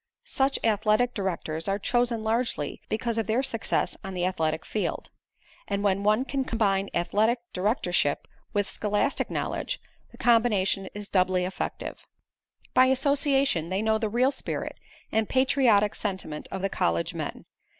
Such athletic directors are chosen largely because of their success on the athletic field. And when one can combine athletic directorship with scholastic knowledge, the combination is doubly effective. By association they know the real spirit and patriotic sentiment of the college men.